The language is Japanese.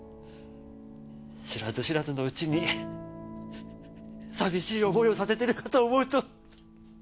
知らず知らずのうちに寂しい思いをさせてるかと思うと。